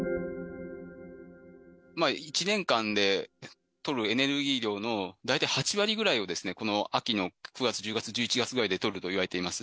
１年間で取るエネルギー量の大体８割ぐらいを、この秋の９月、１０月、１１月ぐらいで取るといわれています。